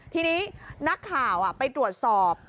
ทีนี้นักข่าวไปตรวจสอบ